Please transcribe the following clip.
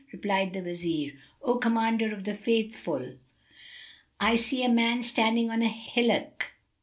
Replied the Wazir, "Yes, O Commander of the Faithful; I see a man standing on a hillock."